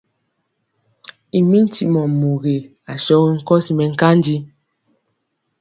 I mi ntimɔ mugi asɔgi nkɔsi mɛnkanji.